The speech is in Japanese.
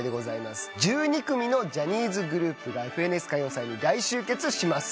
１２組のジャニーズグループが『ＦＮＳ歌謡祭』に大集結します。